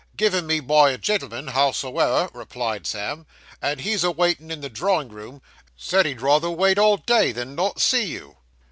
'Given me by a gen'l'm'n, howsoever,' replied Sam, 'and he's a waitin' in the drawing room said he'd rather wait all day, than not see you.